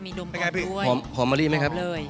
มีดมหอมด้วยหอมหอมะลิไหมครับ